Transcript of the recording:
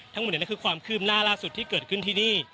ทั้งหมดนี้คือความคืบหน้าล่าสุดที่เกิดขึ้นที่นี่